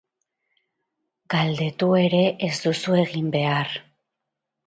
Galdetu ere ez duzu egin behar....